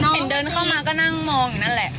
เห็นเดินเข้ามาก็นั่งมองอยู่นั่นแหละ